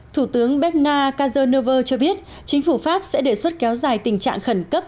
thủ tướng bernard de cazeneuve cho biết chính phủ pháp sẽ đề xuất kéo dài tình trạng khẩn cấp